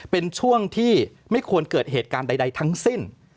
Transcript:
เป็นช่วงที่ไม่ควรเกิดเหตุการณ์ใดทั้งสิ้น